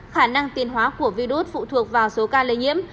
khả năng tiền hóa của virus phụ thuộc vào số ca lây nhiễm